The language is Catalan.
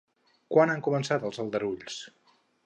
Quan han començat els aldarulls?